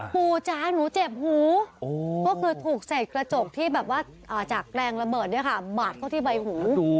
ปูจาหนูเจ็บหูก็ตรงนั้นเขาบัดเข้าที่ใบหู